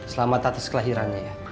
selamat atas kelahirannya ya